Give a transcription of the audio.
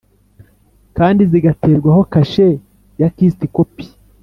Kandi zigaterwaho kashe ya kist kopi